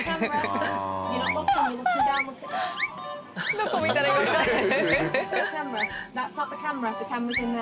どこ見たらいいかわかんない。